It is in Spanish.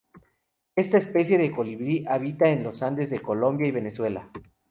Esta especie de colibrí habita en los Andes de Colombia y Venezuela.